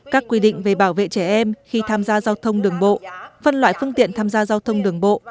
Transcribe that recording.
các quy định về bảo vệ trẻ em khi tham gia giao thông đường bộ phân loại phương tiện tham gia giao thông đường bộ